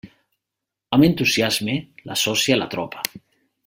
Amb entusiasme l'associa a la tropa.